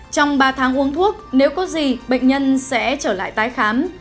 trong ba tháng uống thuốc nếu có gì bệnh nhân sẽ trở lại tái khám